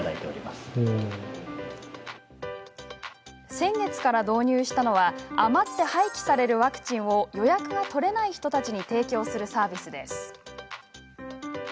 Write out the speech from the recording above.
先月から導入したのは余って廃棄されるワクチンを予約が取れない人たちに提供するサービスです。